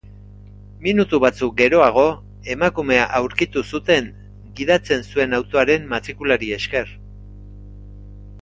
Minutu batzuk geroago, emakumea aurkitu zuten gidatzen zuen autoaren matrikulari esker.